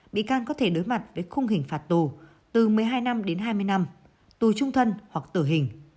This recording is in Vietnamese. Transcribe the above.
bị can có thể đối mặt với khung hình phạt tù từ một mươi hai năm đến hai mươi năm tù trung thân hoặc tử hình